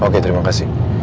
oke terima kasih